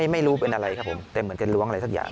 ไม่รู้เป็นอะไรครับผมแต่เหมือนจะล้วงอะไรสักอย่าง